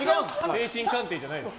精神鑑定じゃないです。